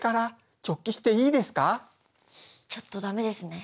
ちょっと駄目ですね。